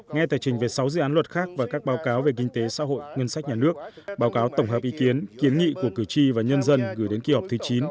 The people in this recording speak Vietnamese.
nghe tài trình về sáu dự án luật khác và các báo cáo về kinh tế xã hội ngân sách nhà nước báo cáo tổng hợp ý kiến kiến nghị của cử tri và nhân dân gửi đến kỳ họp thứ chín